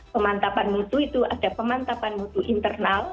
pemantapan musuh itu ada pemantapan mutu internal